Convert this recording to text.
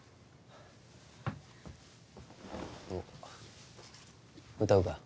おっ歌うか？